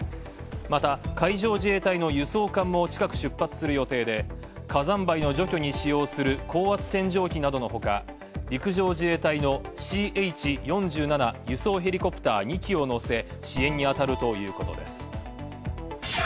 また、海上自衛隊の輸送艦も近く出発する予定で、火山灰の除去に使用する高圧洗浄機などのほか、陸上自衛隊のＣＨ４７輸送ヘリコプター２機を載せ支援にあたるということです。